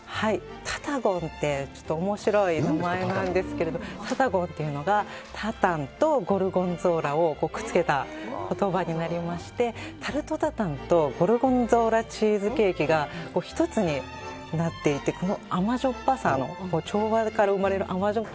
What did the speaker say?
タタゴンって面白い名前なんですけどタタゴンというのがタタンとゴルゴンゾーラをくっつけた言葉になりましてタルトタタンとゴルゴンゾーラチーズケーキが１つになっていて調和から生まれる甘じょっ